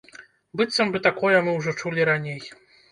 Быццам бы такое мы ўжо чулі раней.